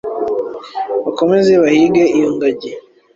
bakomeze bahige iyo ngajyi